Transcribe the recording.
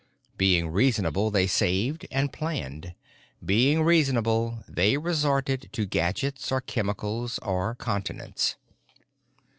Being reasonable, they saved and planned. Being reasonable, they resorted to gadgets or chemicals or continence.